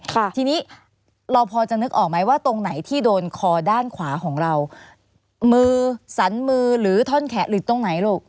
ค่ะทีนี้เราพอจะนึกออกไหมว่าตรงไหนที่โดนคอด้านขวาของเรามือสันมือหรือท่อนแขะหรือตรงไหนลูก